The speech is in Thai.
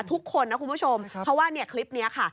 ทุกคนนะคุณผู้ชมเพราะว่าเนี่ยคลิปนี้ค่ะ